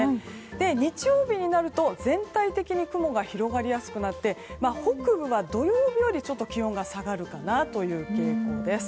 日曜日になると全体的に雲が広がりやすくなって北部は土曜日よりちょっと気温が下がるかなという傾向です。